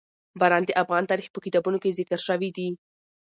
باران د افغان تاریخ په کتابونو کې ذکر شوي دي.